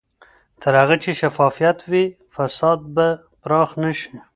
تر هغه چې شفافیت وي، فساد به پراخ نه شي.